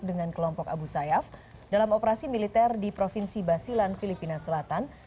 dengan kelompok abu sayyaf dalam operasi militer di provinsi basilan filipina selatan